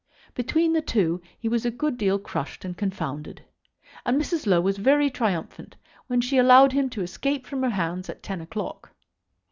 Between the two he was a good deal crushed and confounded, and Mrs. Low was very triumphant when she allowed him to escape from her hands at ten o'clock.